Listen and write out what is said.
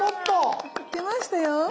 来ましたよ。